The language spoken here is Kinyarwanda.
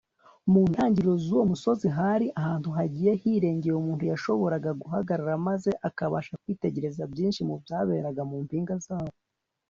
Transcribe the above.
Mu ntangiriro zuwo musozi hari ahantu hagiye hirengeye umuntu yashoboraga guhagarara maze akabasha kwitegereza byinshi mu byaberaga mu mpinga zawo